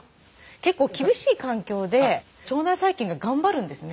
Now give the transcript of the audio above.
結構厳しい環境で腸内細菌が頑張るんですね。